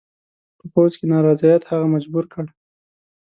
په پوځ کې نارضاییت هغه مجبور کړ.